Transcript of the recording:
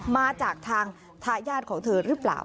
มาจากทางทายาทของเธอหรือเปล่า